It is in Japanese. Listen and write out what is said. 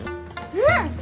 うん！